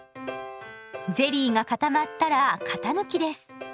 ゼリーが固まったら型抜きです。